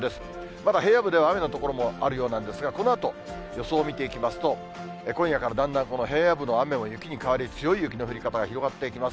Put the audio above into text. まだ平野部では雨の所もあるようなんですが、このあと、予想を見ていきますと、今夜からだんだんこの平野部の雨も雪に変わり、強い雪の降り方が広がっていきます。